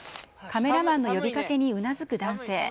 カメラマンの呼びかけにうなずく男性。